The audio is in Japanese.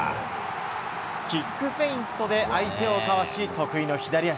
キックフェイントで相手をかわし得意の左足。